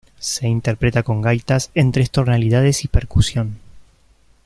Se interpreta con gaitas en tres tonalidades y percusión.